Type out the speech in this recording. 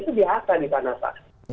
itu biasa di tanah saya